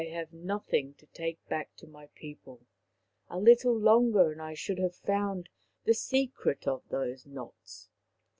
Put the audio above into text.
" I have nothing to take back to my people. A little longer, and I should have found the secret of those knots."